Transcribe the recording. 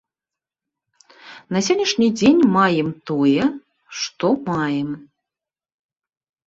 На сённяшні дзень маем тое, што маем.